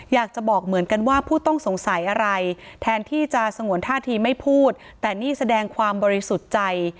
อยากจะบอกเหมือนกันว่าผู้ต้องสงสัยอะไรแทนที่จะสงวนท่าทีไม่พูดแต่นี่แสดงความบริสุทธิ์ใจ